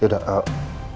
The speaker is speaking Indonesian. ya udah bagus kalau gitu